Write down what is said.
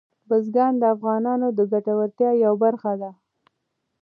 بزګان د افغانانو د ګټورتیا یوه برخه ده.